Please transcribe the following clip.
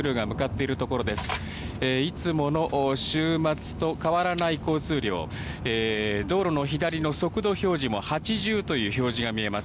いつもの週末と変わらない交通量、道路の左の速度表示も８０という表示が見えます。